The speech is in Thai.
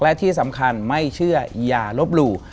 และที่สำคัญไม่เชื่ออย่าลบหลู่